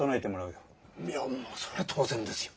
いやもうそりゃ当然ですよ。